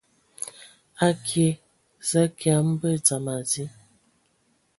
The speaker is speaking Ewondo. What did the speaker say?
Akie za kia mbə dzam adi.